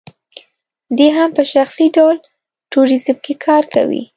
دی هم په شخصي ډول ټوریزم کې کار کوي.